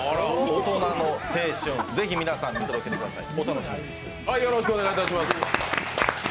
大人の青春、ぜひ、皆さん見届けてください。